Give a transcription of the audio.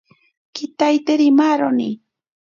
Kitaiteri maaroni.